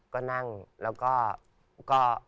ก็นั่งแล้วก็